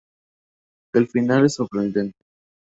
El final es sorprendente.